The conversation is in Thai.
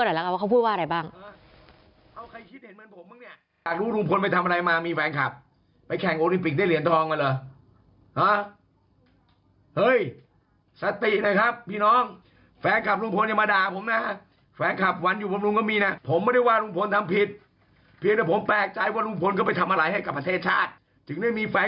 อ่ะลองฟังเขาพูดกันหน่อยว่าเขาพูดว่าอะไรบ้าง